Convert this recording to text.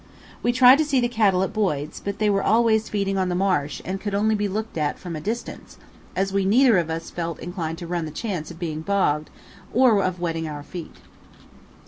We tried to see the cattle at Boyd's, but they were away feeding on the marsh and could only be looked at from a distance, as we neither of us felt inclined to run the chance of being bogged or of wetting our feet.